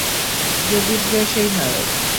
যে জিতবে সে-ই নায়ক।